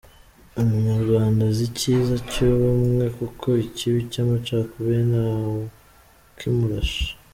Umunyarwanda azi icyiza cy’ubumwe kuko ikibi cy’amacakubiri nta wukimurusha.